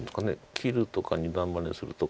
切るとか二段バネするとか。